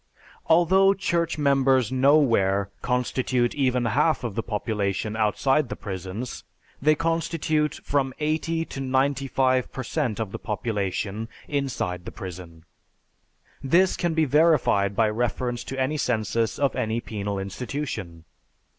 _ Although church members nowhere constitute even half the population outside the prisons, they constitute from eighty to ninety five per cent of the population inside the prison. This can be verified by reference to any census of any penal institution.